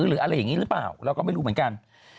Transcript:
หรืออะไรอย่างนี้หรือเปล่าเราก็ไม่รู้เหมือนกัน